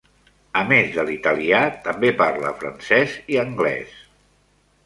A més de l'italià, també parla francès i anglès.